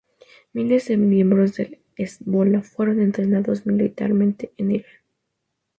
Miles de miembros del Hezbolá fueron entrenados militarmente en Irán.